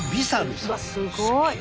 すごい。